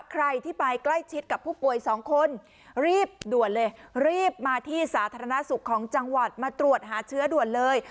ใครที่ไปใกล้ชิดกับผู้ป่วยสองคนรีบด่วนเลยรีบมาที่สาธารณสุขของจังหวัดมาตรวจหาเชื้อด่วนเลย